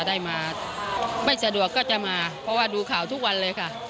คิดว่าจะได้จะทานเวลา